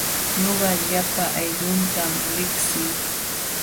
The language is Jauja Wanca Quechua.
Ñuqa llapa aylluutam liqsii.